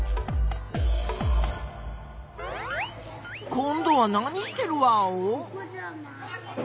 こんどは何してるワオ？